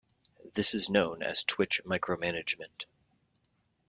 This is known as twitch micromanagement.